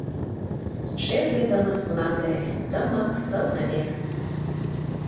Шерге тыныс мланде, Тымык сылне вер.